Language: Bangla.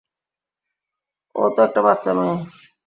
ও তো একটা বাচ্চা মেয়ে।